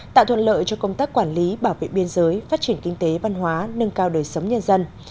tạo thuận lợi cho công tác quản lý bảo vệ biên giới phát triển kinh tế văn hóa nâng cao đời sống nhân dân